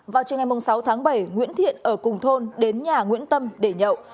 vào chiều ngày sáu tháng bảy nguyễn thiện ở cùng thôn đến nhà nguyễn tâm để nhậu